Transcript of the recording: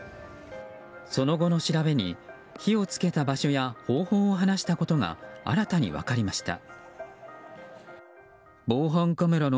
その後の調べに火を付けた場所や方法を話したことが新たに分かりました。